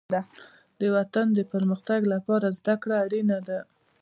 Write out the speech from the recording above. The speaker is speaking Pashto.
د وطن د پرمختګ لپاره زدهکړه اړینه ده.